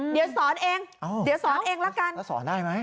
เดี๋ยวสอนเองเดี๋ยวสอนเองละกันแล้วสอนได้ไหม